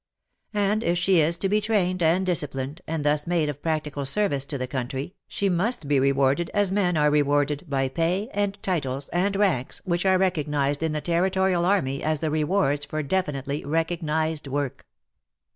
And if she is to be trained and disciplined and thus made of practical service to the country, she must be rewarded as men are rewarded, by pay, and titles, and ranks, which are recognized in the Territorial army as the rewards for definitely recognized work.